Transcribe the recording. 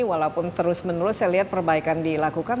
walaupun terus menerus saya lihat perbaikan dilakukan